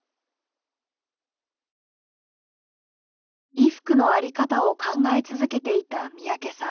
衣服の在り方を考え続けていた三宅さん。